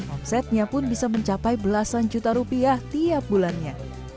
omsetnya pun bisa mencapai belasan juta rupiah tiap bulannya